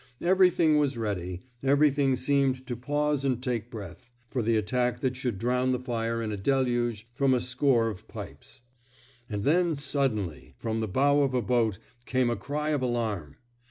Everything was ready — everything seemed to pause and take breath — for the attack that should drown the fire in a deluge from a score of pipes. And then, suddenly, from the bow of the boat, came a cry of alarm.